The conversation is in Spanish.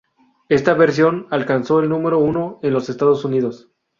Esta versión alcanzó el número uno en los Estados Unidos.